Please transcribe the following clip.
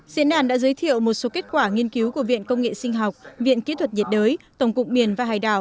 diễn đàn đã giới thiệu một số kết quả nghiên cứu của viện công nghệ sinh học viện kỹ thuật nhiệt đới tổng cục biển và hải đảo